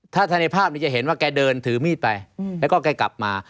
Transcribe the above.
ถ้าในภาพนี้จะเห็นว่าแกเดินถือมีดไปแล้วก็แกกลับมา